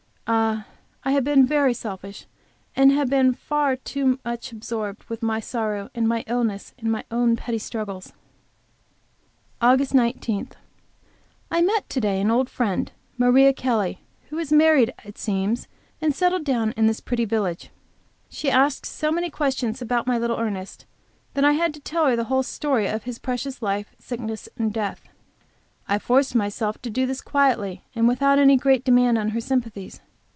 Ah, I have been very selfish, and have been far too much absorbed with my sorrow and my illness and my own petty struggles. AUGUST 19. I met to day an old friend, Maria Kelly, who is married, it seems, and settled down in this pretty village. She asked so many questions about my little Ernest that I had to tell her the whole story of his precious life, sickness and death. I forced myself to do this quietly, and without any great demand on her sympathies.